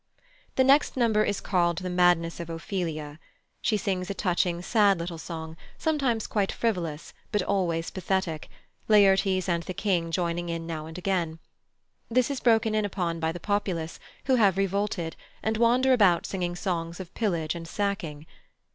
The next number is called "The Madness of Ophelia." She sings a touching, sad little song, sometimes quite frivolous, but always pathetic, Laertes and the King joining in now and again. This is broken in upon by the populace, who have revolted, and wander about singing songs of pillage and sacking.